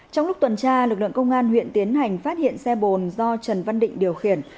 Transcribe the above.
trong lúc tuần tra lực lượng công an huyện tiến hành phát hiện xe bồn do trần văn định điều khiển